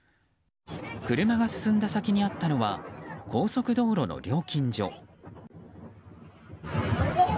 車が進んだ先にあったのは高速道路の料金所。